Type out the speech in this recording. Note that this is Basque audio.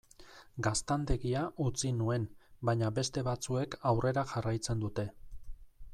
Gaztandegia utzi nuen, baina beste batzuek aurrera jarraitzen dute.